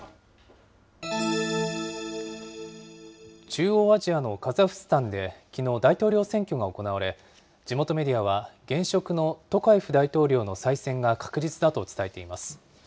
中央アジアのカザフスタンで、きのう、大統領選挙が行われ、地元メディアは現職のトカエフ大統領の再選が確実だと伝えています。